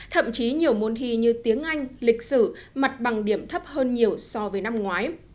thậm chí nhiều môn thi như tiếng anh lịch sử mặt bằng điểm thấp hơn nhiều so với năm ngoái